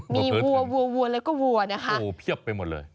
มีวัวแล้วก็วัวโอ้โหเพี้ยบไปหมดเลย